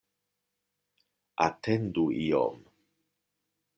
Atendu iom.